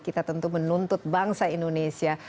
kita tentu menuntut bangsa indonesia